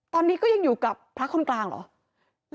ตอนนี้ก็ยังอยู่กับพระคนกลางเหรอ